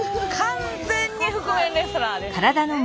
完全に覆面レスラーですね。